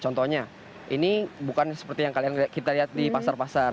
contohnya ini bukan seperti yang kita lihat di pasar pasar